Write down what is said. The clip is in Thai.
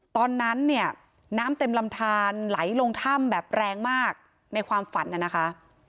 ตอนนั้นเนี่ยน้ำเต็มลำทานไหลลงถ้ำแบบแรงมากในความฝันน่ะนะคะ